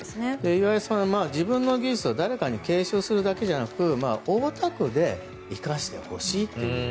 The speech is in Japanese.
岩井さんは自分の技術を誰かに継承するだけじゃなく大田区で生かしてほしいという。